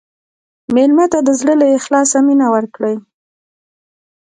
مېلمه ته د زړه له اخلاصه مینه ورکړه.